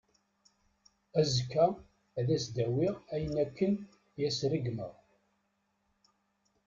Azekka, ad as-d-awiɣ ayen akken i as-ṛeggmeɣ.